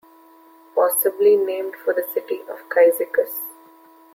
Possibly named for the city of Cyzicus.